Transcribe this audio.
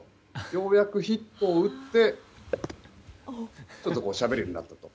ようやくヒットを打ってちょっとしゃべれるようになったと。